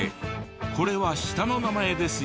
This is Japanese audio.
これは下の名前ですよ。